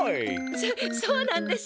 そそうなんです。